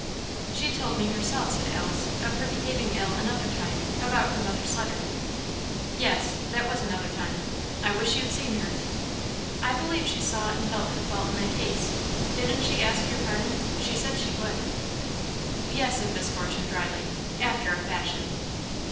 "She told me herself," said Alice, "of her behaving ill another time, about her mother's letter." "Yes that was another time. I wish you'd seen her!" "I believe she saw and felt her fault in that case. Didn't she ask your pardon? she said she would." "Yes," said Miss Fortune, drily "after a fashion."